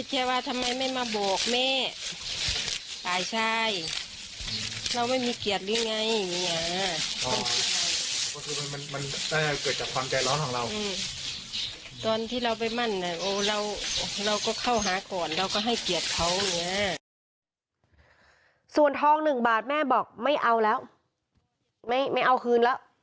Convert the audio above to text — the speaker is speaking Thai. ส่วนทอง๑บาทแม่บอกไม่เอาแล้วไม่เอาคืนแล้ว